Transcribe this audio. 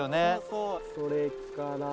それから。